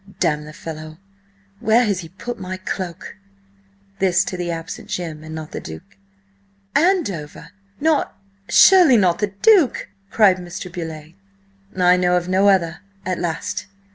"Damn the fellow, where has he put my cloak?" This to the absent Jim, and not the Duke. "Andover! Not–surely not the Duke?" cried Mr. Beauleigh. "I know of none other. At last!"